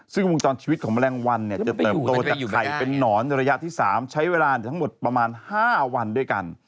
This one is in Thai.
ซึ่งวงจรชีวิตของแมลงวันเนี่ยจะเติบโตจากไข่เป็นนอนในระยะที่๓ใช้เวลาทั้งหมดประมาณ๕วันด้วยกัน